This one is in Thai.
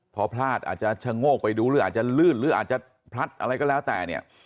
พอพลาดอาจจะชะโงกไปดูหรืออาจจะลื่นหรืออาจจะพลัดอะไรก็แล้วแต่เนี่ย